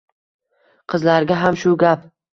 Qizlarga ham shu gap!